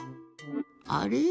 あれ？